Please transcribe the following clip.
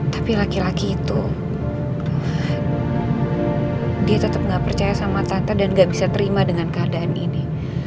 tapi laki laki itu dia tetap nggak percaya sama tante dan gak bisa terima dengan keadaan ini